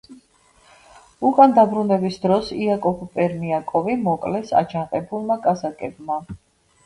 უკან დაბრუნების დროს იაკობ პერმიაკოვი მოკლეს, აჯანყებულმა კაზაკებმა.